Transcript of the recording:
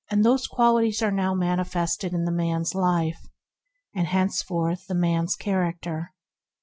Those qualities are now manifested in the man's life, are henceforth the mans character.